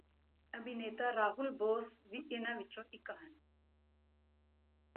ਅਭਿਨੇਤਾ ਰਾਹੁਲ ਬੌਸ ਵੀ ਇਹਨਾਂ ਵਿਚੋਂ ਇਕ ਹਨ